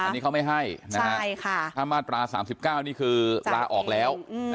อันนี้เขาไม่ให้ใช่ค่ะถ้ามาตราสามสิบเก้านี่คือลาออกแล้วอืม